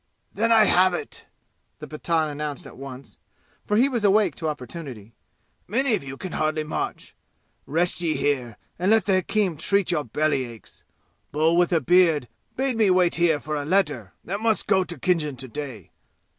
"Then I have it!" the Pathan announced at once, for he was awake to opportunity. "Many of you can hardly march. Rest ye here and let the hakim treat your belly aches. Bull with a beard bade me wait here for a letter that must go to Khinjan to day.